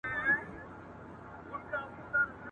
او ښکلي نجوني راټولي سي